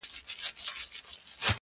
دا ناځوانه نور له كاره دى لوېــدلى ـ